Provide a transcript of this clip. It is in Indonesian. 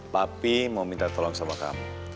pak fi mau minta tolong sama kamu